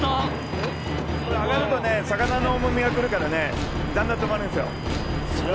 上がるとね魚の重みが来るからねだんだん止まるんですよ。